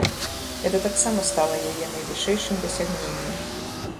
Гэта таксама стала яе найвышэйшым дасягненнем.